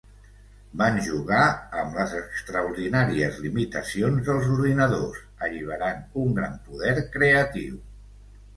Van jugar amb les extraordinàries limitacions dels ordinadors, alliberant un gran poder creatiu.